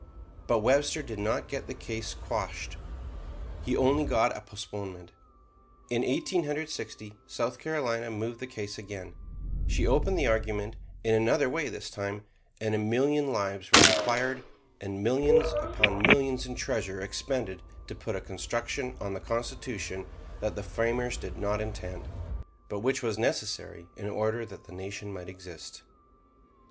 But Webster did not get the case quashed: he got only a postponement. In Eighteen Hundred Sixty, South Carolina moved the case again; she opened the argument in another way this time, and a million lives were required, and millions upon millions in treasure expended to put a construction on the Constitution that the framers did not intend; but which was necessary in order that the Nation might exist.